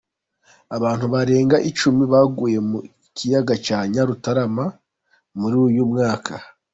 Abantu barenga icumi baguye mu kiyaga cya Nyarutarama muri uyu mwaka